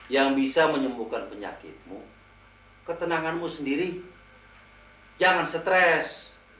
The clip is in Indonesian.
yang bisa menyembuhkan penyakitmu ketenanganmu sendiri jangan stres